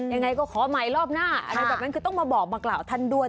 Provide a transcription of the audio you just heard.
ยังไงก็ขอใหม่รอบหน้าอะไรแบบนั้นคือต้องมาบอกมากล่าวท่านด้วย